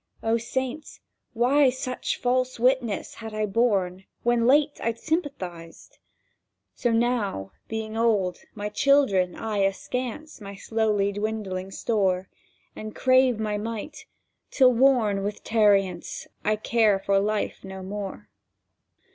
O Saints, why such false witness had I borne When late I'd sympathized! ... So now, being old, my children eye askance My slowly dwindling store, And crave my mite; till, worn with tarriance, I care for life no more.